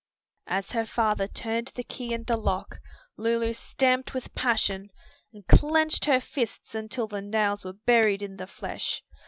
As her father turned the key in the lock, Lulu stamped with passion, and clenched her fists until the nails were buried in the flesh.